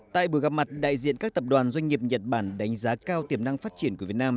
tại buổi gặp mặt đại diện các tập đoàn doanh nghiệp nhật bản đánh giá cao tiềm năng phát triển của việt nam